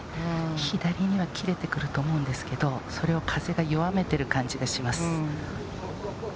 左には切れてくると思うんですけど、それを風が弱めている感じがします。